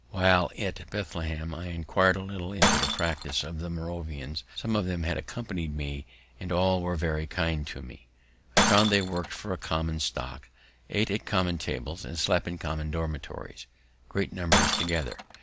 While at Bethlehem, I inquir'd a little into the practice of the Moravians: some of them had accompanied me, and all were very kind to me. I found they work'd for a common stock, ate at common tables, and slept in common dormitories, great numbers together.